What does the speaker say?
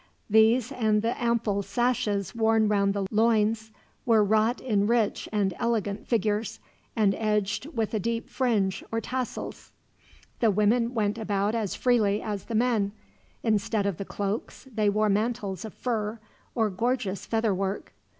These and the ample sashes worn round the loins were wrought in rich and elegant figures, and edged with a deep fringe, or tassels. The women went about as freely as the men. Instead of the cloaks, they wore mantles of fur or gorgeous feather work.